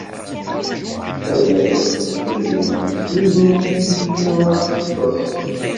A yiḍes yezzuzunen, zuzen-iyi yelli ad teṭṭes.